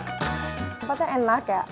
tempatnya enak ya